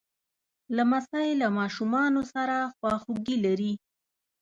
لمسی له ماشومانو سره خواخوږي لري.